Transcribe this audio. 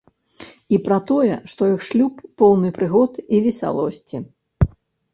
І пра тое, што іх шлюб поўны прыгод і весялосці.